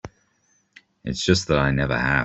It's just that I never have.